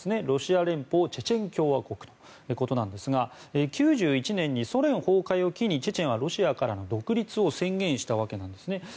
ロシア連邦チェチェン共和国ということなんですが９１年にソ連崩壊を機にチェチェンはロシアからの独立を宣言したわけなんですね。